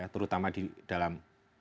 terutama di dalam